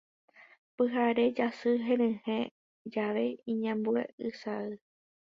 Pyhare jasy renyhẽ jave iñambue isa'y.